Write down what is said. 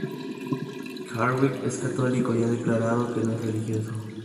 Hardwick es católico y ha declarado que no es religioso.